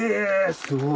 すごい。